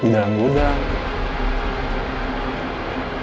di dalam gudang